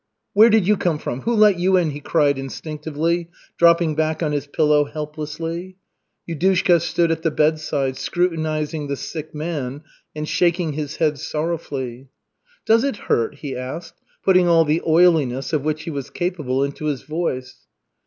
Where did you come from? Who let you in?" he cried instinctively, dropping back on his pillow helplessly. Yudushka stood at the bedside, scrutinizing the sick man and shaking his head sorrowfully. "Does it hurt?" he asked, putting all the oiliness of which he was capable into his voice.